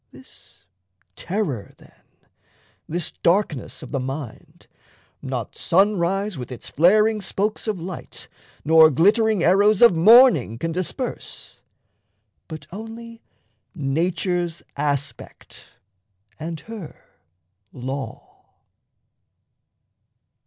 This terror then, this darkness of the mind, Not sunrise with its flaring spokes of light, Nor glittering arrows of morning can disperse, But only nature's aspect and her law.